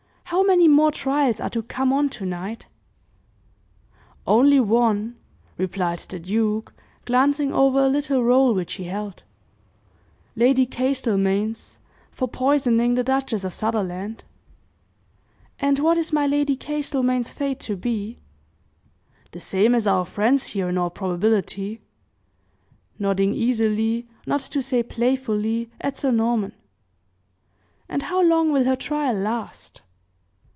How many more trials are to come on tonight?" "Only one," replied the duke, glancing over a little roll which he held; "Lady Castlemaine's, for poisoning the Duchess of Sutherland." "And what is my Lady Castlemaine's fate to be?" "The same as our friend's here, in all probability," nodding easily, not to say playfully, at Sir Norman. "And how long will her trial last?"